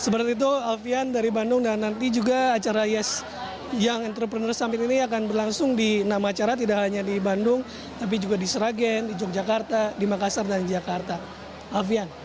seperti itu alfian dari bandung dan nanti juga acara yes young entrepreneur summit ini akan berlangsung di enam acara tidak hanya di bandung tapi juga di sragen di yogyakarta di makassar dan jakarta alfian